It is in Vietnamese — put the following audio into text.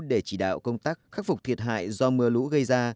để chỉ đạo công tác khắc phục thiệt hại do mưa lũ gây ra